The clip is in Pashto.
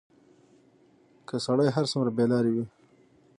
که سړى هر څومره بېلارې وي،